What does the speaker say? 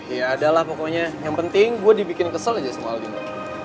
ya adalah pokoknya yang penting gue dibikin kesel aja soal ini